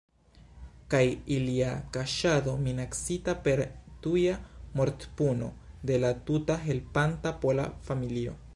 Kaj ilia kaŝado minacita per tuja mortpuno de la tuta helpanta pola familio.